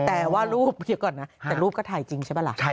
แต่ว่ารูปเยอะกว่านั้นแต่รูปก็ถ่ายจริงใช่ปะละ